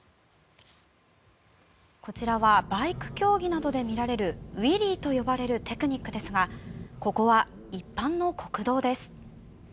こちらはバイク競技などで見られるウィリーと呼ばれるテクニックですがここは一般の国道です。